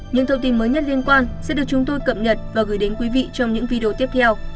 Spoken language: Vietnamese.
những thông tin mới nhất liên quan sẽ được chúng tôi cập nhật và gửi đến quý vị trong những video tiếp theo